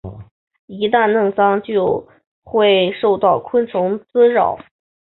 一旦弄脏会受到昆虫滋扰。